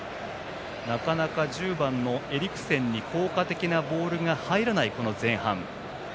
なかなか１０番のエリクセンに効果的なボールが入らない前半。